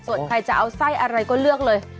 ส่วนใครจะเอาไส้อะไรก็เลือกเลย